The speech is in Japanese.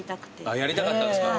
やりたかったんすか。